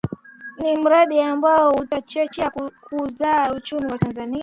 Ni mradi ambao utachochea kukuza uchumi wa Tanzania